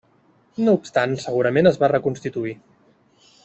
No obstant segurament es va reconstituir.